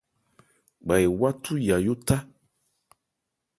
Gba ewá thú Yayó thá.